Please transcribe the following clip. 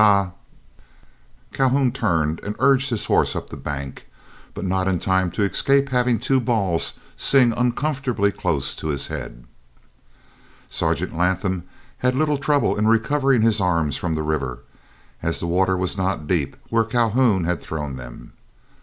Calhoun turned and urged his horse up the bank, but not in time to escape having two balls sing uncomfortably close to his head. Sergeant Latham had little trouble in recovering his arms from the river, as the water was not deep where Calhoun had thrown them.